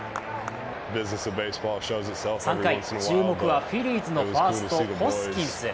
３回、注目はフィリーズのファースト、ホスキンス。